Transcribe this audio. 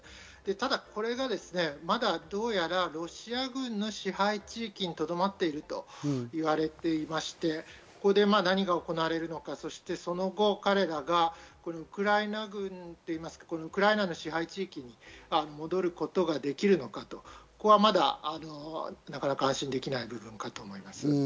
ただこれも、まだどうやらロシア軍の支配地域にとどまっていると言われていまして、ここで何が行われるのか、その後、彼らがウクライナ軍といいますか、ウクライナ支配地域に戻ることができるのか、そこはまだ、なかなか安心できない部分があると思います。